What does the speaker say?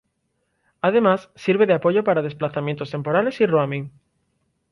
Además sirve de apoyo para desplazamientos temporales y roaming.